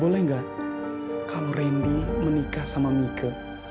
boleh nggak kalau rendy menikah sama mieke